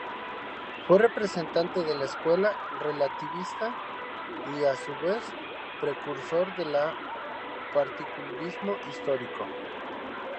Fue representante de la escuela relativista y, a su vez, precursor del particularismo histórico.